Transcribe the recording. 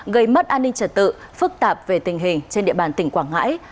gây mất an ninh trật tự phức tạp về tình hình trên địa bàn tỉnh quảng ngãi